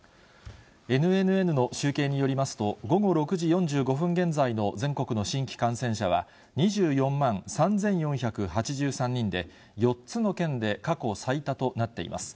ＮＮＮの集計によりますと、午後６時４５分現在の全国の新規感染者は、２４万３４８３人で、４つの県で過去最多となっています。